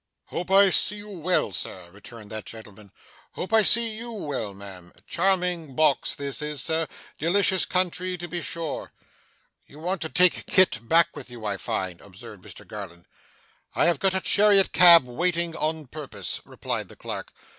'Hope I see you well sir,' returned that gentleman. 'Hope I see YOU well, ma'am. Charming box this, sir. Delicious country to be sure.' 'You want to take Kit back with you, I find?' observed Mr Garland. 'I have got a chariot cab waiting on purpose,' replied the clerk.